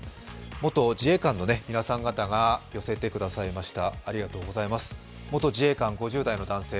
元自衛官の皆さんが寄せてくださいました。